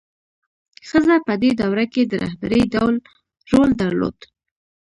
ښځه په دې دوره کې د رهبرۍ رول درلود.